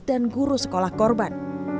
dan guru sekolah korban